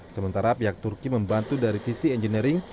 sementara pihak turki membantu dari sisi engineering